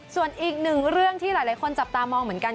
ส่วนอีกหนึ่งเรื่องที่หลายคนจับตามองเหมือนกัน